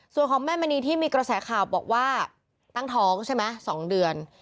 ส่วนของแม่มณีที่มีกระแสข่าวบอกว่าตั้งท้องใช่ไหม๒เดือน